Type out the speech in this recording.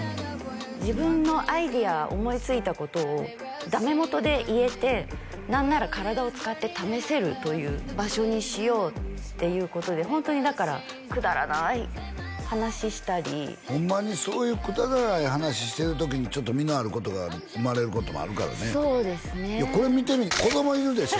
自分のアイデア思いついたことをダメもとで言えて何なら体を使って試せるという場所にしようっていうことでホントにだからくだらない話したりホンマにそういうくだらない話してる時にちょっと実のあることが生まれることもあるからねそうですねいやこれ見てみ子供いるでしょ？